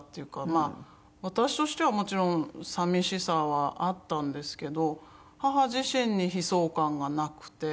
私としてはもちろん寂しさはあったんですけど母自身に悲壮感がなくて。